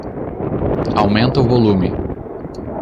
Aumenta o volume.